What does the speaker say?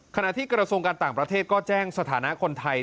ขณะที่กระทรวงการต่างประเทศก็แจ้งสถานะคนไทย